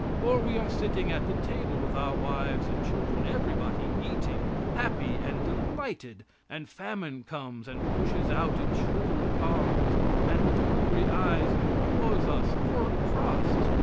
Or we are sitting at the table with our wives and children, everybody eating, happy and delighted; and Famine comes and pushes out its shriveled palms, and, with hungry eyes, implores us for a crust.